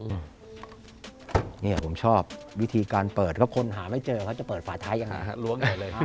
เนี่ยผมชอบวิธีการเปิดเพราะว่าคนหาไม่เจอก็จะเปิดฝาต้ายอย่างไง